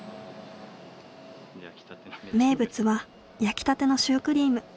名物は焼きたてのシュークリーム。